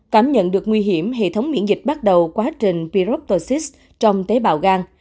cảm nhận được nguy hiểm hệ thống miễn dịch bắt đầu quá trình piroptosis trong tế bào gan